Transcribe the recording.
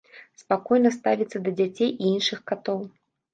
Спакойна ставіцца да дзяцей і іншых катоў.